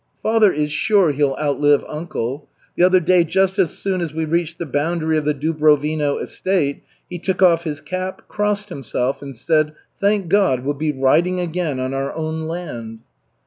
"Father is sure he'll outlive uncle. The other day, just as soon as we reached the boundary of the Dubrovino estate, he took off his cap, crossed himself, and said, 'Thank God we'll be riding again on our own land!"'